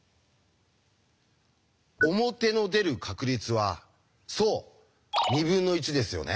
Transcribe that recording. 表の出る確率はそう２分の１ですよね。